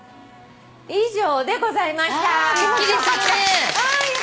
以上でございました！